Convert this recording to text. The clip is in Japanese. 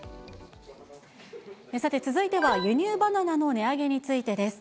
さて、続いては輸入バナナの値上げについてです。